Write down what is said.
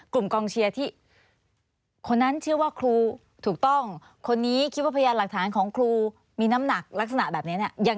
กองเชียร์ที่คนนั้นเชื่อว่าครูถูกต้องคนนี้คิดว่าพยานหลักฐานของครูมีน้ำหนักลักษณะแบบนี้เนี่ย